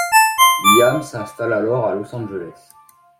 Liam s'installe alors à Los Angeles.